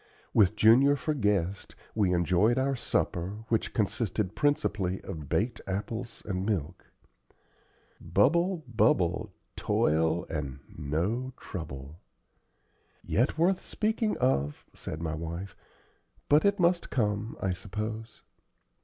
With Junior for guest, we enjoyed our supper, which consisted principally of baked apples and milk. "'Bubble, bubble,' 'Toil' and no 'trouble' " "Yet, worth speaking of," said my wife; "but it must come, I suppose."